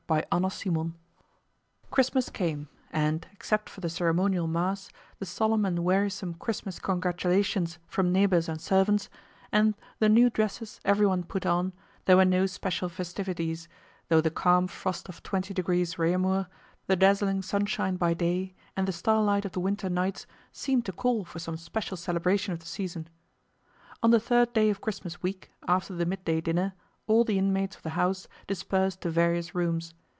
CHAPTER IX Christmas came and except for the ceremonial Mass, the solemn and wearisome Christmas congratulations from neighbors and servants, and the new dresses everyone put on, there were no special festivities, though the calm frost of twenty degrees Réaumur, the dazzling sunshine by day, and the starlight of the winter nights seemed to call for some special celebration of the season. On the third day of Christmas week, after the midday dinner, all the inmates of the house dispersed to various rooms.